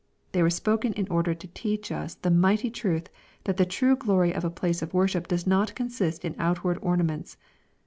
They were spoken in order to teach us the mighty truth that the true glory of a place of worship does not consist in outward orna ments.